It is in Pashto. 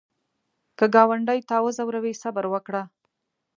که ګاونډي تا وځوروي، صبر وکړه